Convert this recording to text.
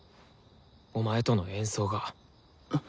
お前との演奏が。